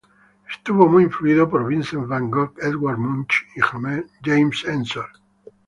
Estuvo muy influido por Vincent van Gogh, Edward Munch, y James Ensor.